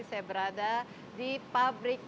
saya berada di pabrik